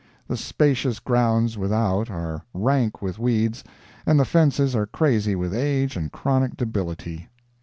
The spacious grounds without are rank with weeds, and the fences are crazy with age and chronic debility.